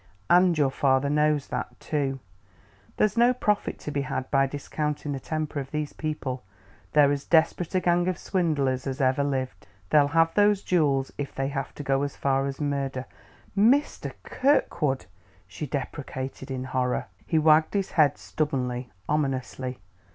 And your father knows that, too. There's no profit to be had by discounting the temper of these people; they're as desperate a gang of swindlers as ever lived. They'll have those jewels if they have to go as far as murder " "Mr. Kirkwood!" she deprecated, in horror. He wagged his head stubbornly, ominously.